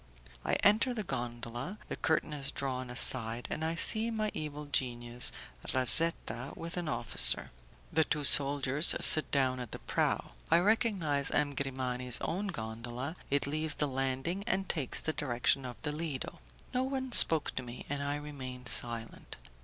I enter the gondola, the curtain is drawn aside, and I see my evil genius, Razetta, with an officer. The two soldiers sit down at the prow; I recognize M. Grimani's own gondola, it leaves the landing and takes the direction of the Lido. No one spoke to me, and I remained silent.